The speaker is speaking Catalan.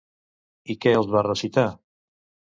I què els va recitar?